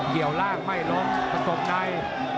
เกี่ยวร่างไม่ล้มผสมใน